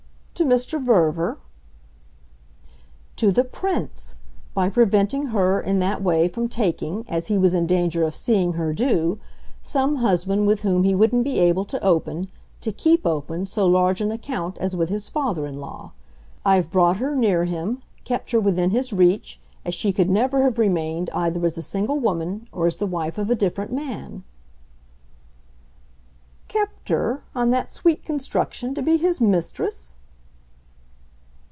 "To Mr. Verver?" "To the Prince by preventing her in that way from taking, as he was in danger of seeing her do, some husband with whom he wouldn't be able to open, to keep open, so large an account as with his father in law. I've brought her near him, kept her within his reach, as she could never have remained either as a single woman or as the wife of a different man." "Kept her, on that sweet construction, to be his mistress?"